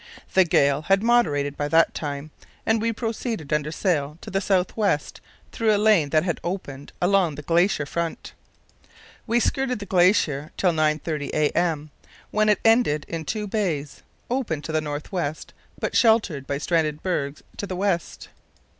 The gale had moderated by that time, and we proceeded under sail to the south west through a lane that had opened along the glacier front. We skirted the glacier till 9.30 a.m., when it ended in two bays, open to the north west but sheltered by stranded bergs to the west.